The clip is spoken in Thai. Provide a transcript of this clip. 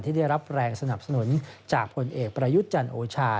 ได้รับแรงสนับสนุนจากผลเอกประยุทธ์จันทร์โอชา